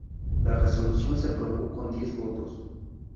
La resolución se aprobó con diez votos.